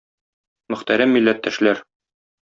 Мөхтәрәм милләттәшләр!